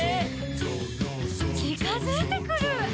「ちかづいてくる！」